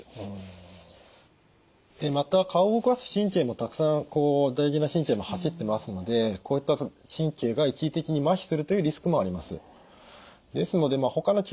でまた顔を動かす神経もたくさん大事な神経が走ってますのでこういった神経が一時的にまひするというリスクもあります。